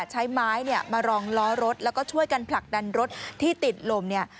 ใช้ไม้เนี่ยมารองล้อรถแล้วก็ช่วยกันผลักดันรถที่ติดลมเนี่ย